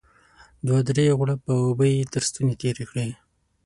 دوه درې غوړپه اوبه يې تر ستوني تېرې کړې.